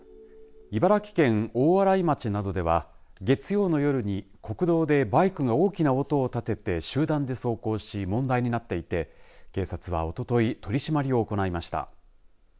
茨城県大洗町などでは月曜の夜に国道でバイクが大きな音を立てて集団で走行し問題になっていて警察がおととい取り締まりを行いました。